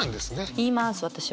言います私は。